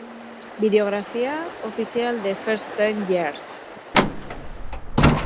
Videografía oficial The First Ten Years